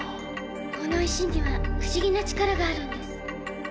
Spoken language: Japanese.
この石には不思議な力があるんです。